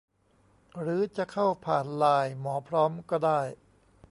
หรือจะเข้าผ่านไลน์ หมอพร้อม ก็ได้